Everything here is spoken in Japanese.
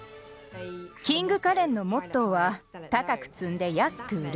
キング・カレンのモットーは「高く積んで安く売る」。